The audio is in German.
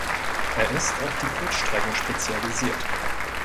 Er ist auf die Kurzstrecken spezialisiert.